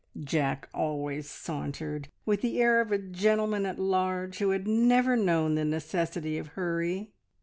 Jack always sauntered, with the air of a gentleman at large who had never known the necessity of hurry.